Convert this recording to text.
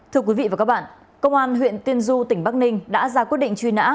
thưa quý vị và các bạn công an huyện tiên du tỉnh bắc ninh đã ra quyết định truy nã